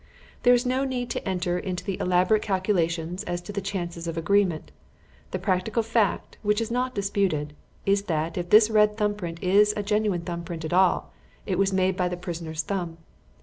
There is no need to enter into the elaborate calculations as to the chances of agreement; the practical fact, which is not disputed, is that if this red thumb print is a genuine thumb print at all, it was made by the prisoner's thumb.